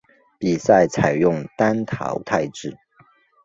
比赛采用单淘汰制。